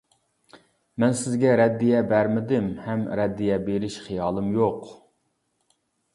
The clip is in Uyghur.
مەن سىزگە رەددىيە بەرمىدىم، ھەم رەددىيە بېرىش خىيالىم يوق.